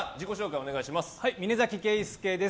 お願いします。